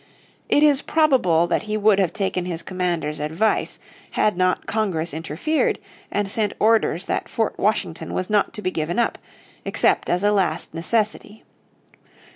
It is probably that he would have taken his commander's advice had not Congress interfered and sent orders that Fort Washington was not to be given up, except as a last necessity.